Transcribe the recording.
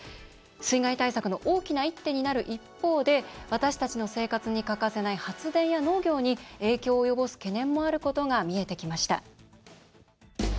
水害対策の大きな一手になる一方で私たちの生活に欠かせない発電や農業に影響を及ぼす懸念もあることが見えてきました。